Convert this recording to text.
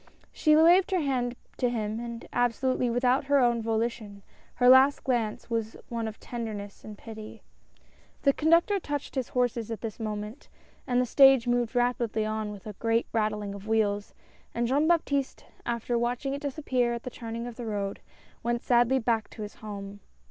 She waved her hand to him, and absolutely without her own volition — her last glance was one of tenderness and pity. The conductor touched his horses at this moment, and the stage moved rapidly on with a great rattling of wheels, and Jean Baptiste, after watching it disap pear at the turning of the road, went sadly back to his home..